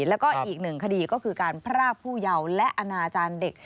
แล้วก็อีกหนึ่งคดีก็คือการพรากผู้เยาว์และอนาจารย์เด็ก